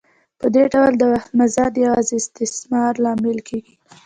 په دې ډول د وخت مزد یوازې د استثمار لامل کېږي